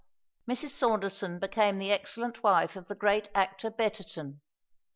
Mrs. Saunderson became the excellent wife of the great actor Betterton.